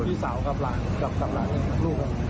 พี่สาวกับหลานลูกครับ